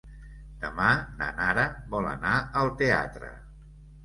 Demà na Nara vol anar al teatre.